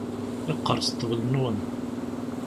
Yeqqerṣ ṭṭbel-nwen.